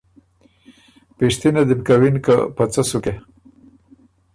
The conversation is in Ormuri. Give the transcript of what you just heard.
پِشتِنه دی بو کوِن که ”په څۀ سُکې؟“